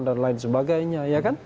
dan lain sebagainya